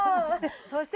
そして。